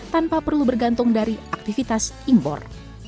tidak perlu bergantung dari aktivitas ingbor